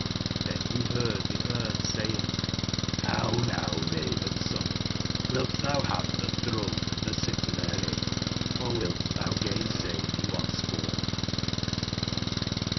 Xlbcn he heard the Sme saying, ''How now. Raven/son, wilt thou have the throne and the sitter therein, or wilt thou gainsay me once more?''